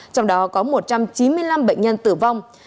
trong đó có một trăm chín mươi năm bệnh nhân tử vong